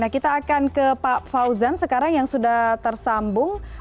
kita akan ke pak fauzan sekarang yang sudah tersambung